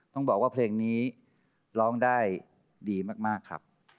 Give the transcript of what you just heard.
ต้องบอกว่าเพลงนี้ร้องได้ดีมากครับ